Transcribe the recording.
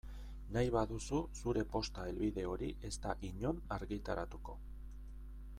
Nahi baduzu zure posta helbide hori ez da inon argitaratuko.